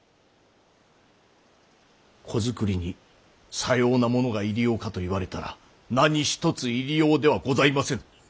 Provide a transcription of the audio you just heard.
子作りにさようなものが入用かと言われたら何一つ入用ではございませぬ。